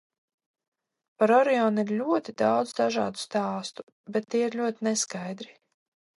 Par Orionu ir ļoti daudz dažādu stāstu, bet tie ir ļoti neskaidri.